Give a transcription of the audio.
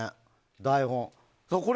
台本。